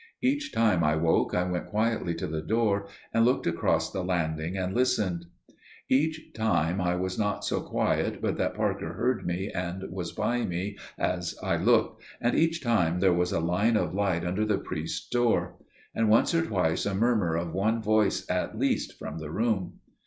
Each time I woke I went quietly to the door and looked across the landing and listened. Each time I was not so quiet but that Parker heard me and was by me as I looked, and each time there was a line of light under the priest's door; and once or twice a murmur of one voice at least from the room.